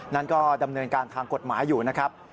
นั้นก็ดำเนินการทางกฎหมายอยู่นะครับ